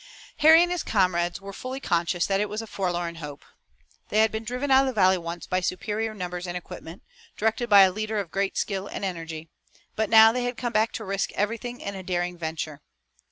Harry and his comrades were fully conscious that it was a forlorn hope. They had been driven out of the valley once by superior numbers and equipment, directed by a leader of great skill and energy, but now they had come back to risk everything in a daring venture.